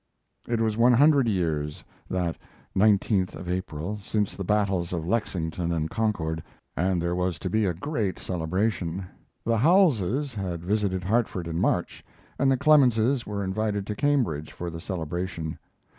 It was one hundred years, that 19th of April, since the battles of Lexington and Concord, and there was to be a great celebration. The Howellses had visited Hartford in March, and the Clemenses were invited to Cambridge for the celebration.